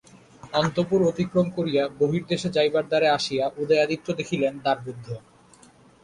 অন্তঃপুর অতিক্রম করিয়া বহির্দেশে যাইবার দ্বারে আসিয়া উদয়াদিত্য দেখিলেন দ্বার রুদ্ধ।